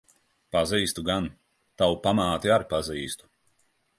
Pazīstu gan. Tavu pamāti ar pazīstu.